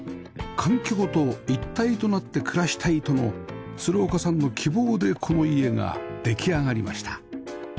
環境と一体となって暮らしたいとの鶴岡さんの希望でこの家が出来上がりました